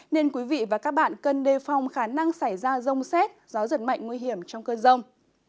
nên quý vị và các bạn cần đề phòng khả năng xảy ra rông xét gió giật mạnh nguy hiểm trong cơn rông